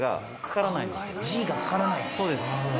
そうです。